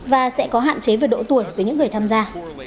và sẽ có hạn chế về độ tuổi với những người tham gia